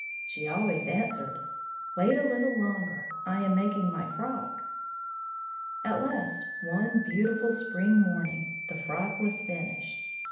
She always answered: "Wait a little longer. I am making my frock." At last, one beautiful spring morning, the frock was finished.